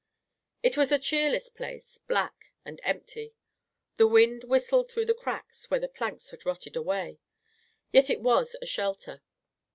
It was a cheerless place, black and empty. The wind whistled through the cracks where the planks had rotted away. Yet it was a shelter.